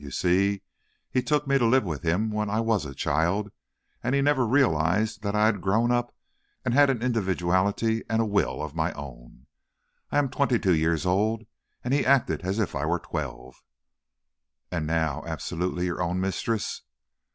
You see, he took me to live with him when I was a child, and he never realized that I had grown up and had an individuality and a will of my own. I am twenty two years old, and he acted as if I were twelve!" "And now, absolutely your own mistress?"